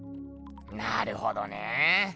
なるほどねぇ。